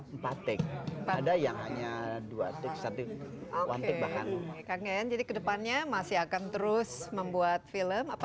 empat teks pada yang hanya dua ratus sebelas tekan takan jadi kedepannya masih akan terus membuat film apa